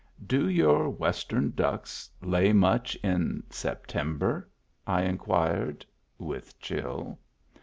" Do your Western ducks lay much in Septem ber ?" I inquired, with chill.